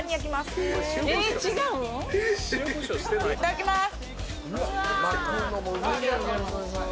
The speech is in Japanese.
いただきます。